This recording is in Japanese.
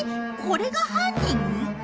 これが犯人？